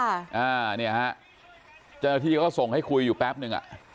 อ่าเนี่ยฮะเจ้าหน้าที่ก็ส่งให้คุยอยู่แป๊บนึงอ่ะ